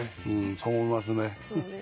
そう思いますね。